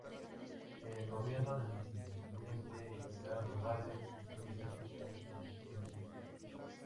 En el gobierno del presidente Gerardo Barrios, ocupó diversos cargos públicos.